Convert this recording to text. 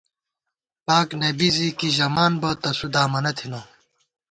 پاک نبیؐ زی کی ژَمان بہ، تسُو دامَنہ تھنہ